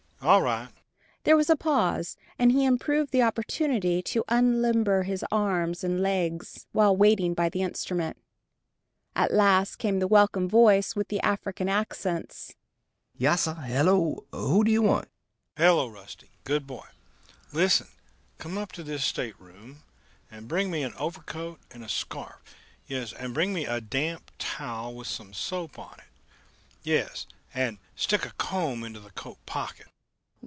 All right." There was a pause, and he improved the opportunity to unlimber his arms and legs, while waiting by the instrument. At last came the welcome voice with the African accents: "Yassir, hello. Who do you want?" "Hello, Rusty!... Good boy.... Listen, come up to this stateroom, and bring me an overcoat and a scarf. Yes, and bring me a damp towel with some soap on it. Yes, and stick a comb into the coat pocket."